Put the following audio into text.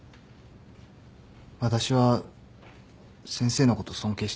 私は先生のこと尊敬してます。